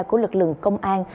của lực lượng công an